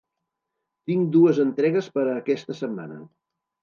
Tinc dues entregues per a aquesta setmana.